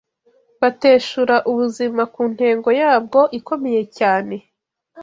Bateshura ubuzima ku ntego yabwo ikomeye cyane